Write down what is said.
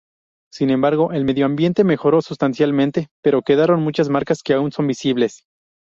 Sin embargo, el medioambiente mejoró sustancialmente, pero quedaron muchas marcas que aún son visibles.